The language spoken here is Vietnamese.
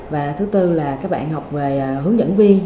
và thứ tư là các bạn học về hướng dẫn viên